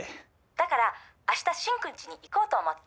「だから明日進くんちに行こうと思って」